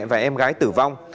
và em gái tử vong